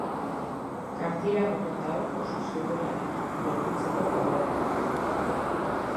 Kartilago mota hau oso zurruna da, gorputzeko gogorrena.